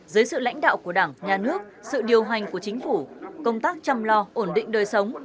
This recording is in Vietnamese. dưới sự lãnh đạo của đảng nhà nước sự điều hành của chính phủ công tác chăm lo ổn định đời sống